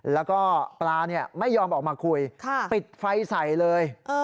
แล้วก็ปลาไม่ยอมออกมาคุยปิดไฟใส่เลย